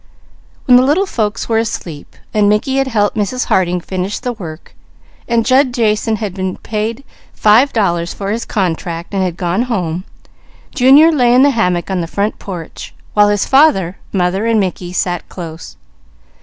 When the little folks were asleep, and Mickey had helped Mrs. Harding finish the work, and Jud Jason had been paid five dollars for his contract and had gone home, Junior lay in the hammock on the front porch, while his father, mother and Mickey sat close.